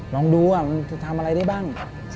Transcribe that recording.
ลองดูอะทำอะไรได้บ้าง